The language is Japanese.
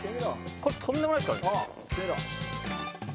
これとんでもないですからね。